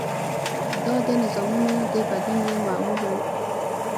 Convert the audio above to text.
دا د نظامونو د بدلون یو معمول و.